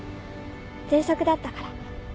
喘息だったから。